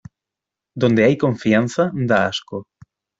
Donde hay confianza, da asco.